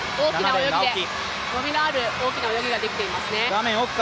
伸びのある大きな泳ぎができていますね。